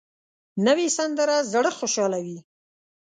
نوې سندره زړه خوشحالوي